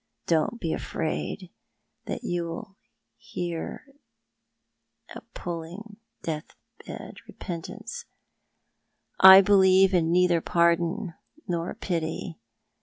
Don't be afraid that you will hear a puling death bed repentance. I believe in neither pardon nor pity.